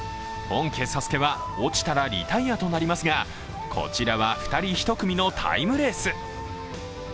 本家ＳＡＳＵＫＥは落ちたらリタイアとなりますがこちらは２人１組のタイムレース。